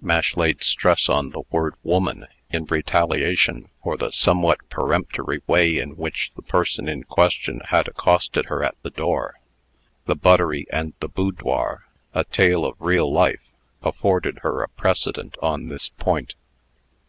Mash laid stress on the word "woman," in retaliation for the somewhat peremptory way in which the person in question had accosted her at the door. The "Buttery and the Boudoir a Tale of Real Life," afforded her a precedent on this point.